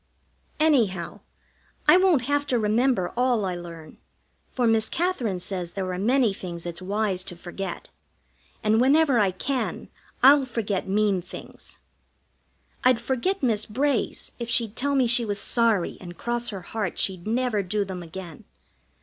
Anyhow, I won't have to remember all I learn, for Miss Katherine says there are many things it's wise to forget, and whenever I can I'll forget mean things. I'd forget Miss Bray's if she'd tell me she was sorry and cross her heart she'd never do them again.